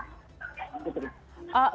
terima kasih bapak